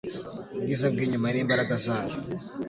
Ubwiza bwibyuma nimbaraga zayo.